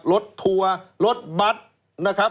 รถทัวร์รถบัตร